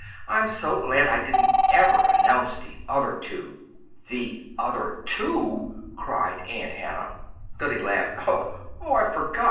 I'm so glad I didn't ever announce the other two!" "The other two!" cried Aunt Hannah. Billy laughed. "Oh, I forgot.